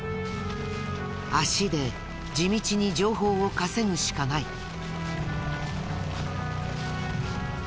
足で地道に情報を稼ぐしかない。